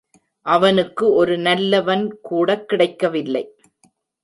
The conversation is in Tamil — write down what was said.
அவனுக்கு ஒரு நல்லவன்கூடக் கிடைக்கவில்லை.